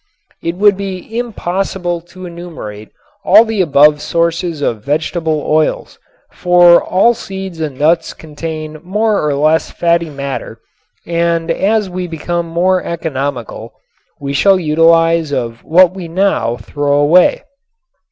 It would be impossible to enumerate all the available sources of vegetable oils, for all seeds and nuts contain more or less fatty matter and as we become more economical we shall utilize of what we now throw away.